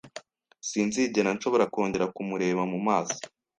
Sinzigera nshobora kongera kumureba mu maso.